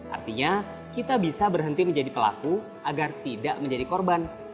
artinya kita bisa berhenti menjadi pelaku agar tidak menjadi korban